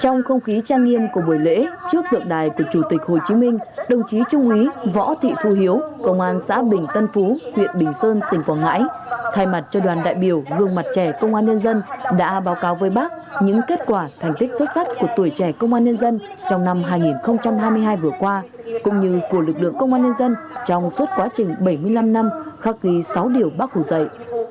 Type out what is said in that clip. trong không khí trang nghiêm của buổi lễ trước tượng đài của chủ tịch hồ chí minh đồng chí trung quý võ thị thu hiếu công an xã bình tân phú huyện bình sơn tỉnh quảng ngãi thay mặt cho đoàn đại biểu gương mặt trẻ công an nhân dân đã báo cáo với bác những kết quả thành tích xuất sắc của tuổi trẻ công an nhân dân trong năm hai nghìn hai mươi hai vừa qua cũng như của lực lượng công an nhân dân trong suốt quá trình bảy mươi năm năm khắc ghi sáu điều bác hủ dạy